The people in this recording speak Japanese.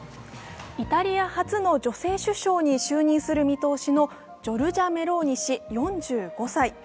イタリア初の女性首相に就任する見通しのジョルジャ・メローニ氏４５歳。